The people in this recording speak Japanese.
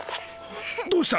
どうした？